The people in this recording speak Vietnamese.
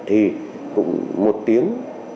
thì cũng một tiếng